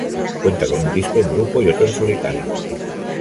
Cuenta con un disco en grupo y otro en solitario.